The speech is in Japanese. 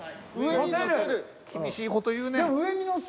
厳しい事言うね。